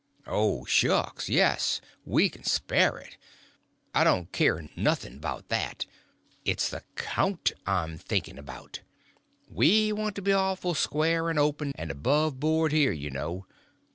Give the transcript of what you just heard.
"Oh, shucks, yes, we can spare it. I don't k'yer noth'n 'bout that—it's the count I'm thinkin' about. We want to be awful square and open and above board here, you know.